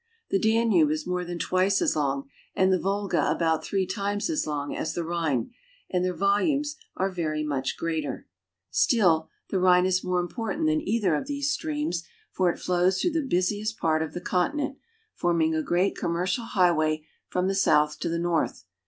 The Danube is more than twice as long, and the Volga about three times as long, as the Rhine, and their vol umes are very much greater. Still, the Rhine is more important than either of these streams, for it flows through the busiest part of the continent, forming a great com a trip up the Rhine." mercial highway from the south to the north.